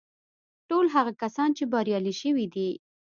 ټول هغه کسان چې بريالي شوي دي.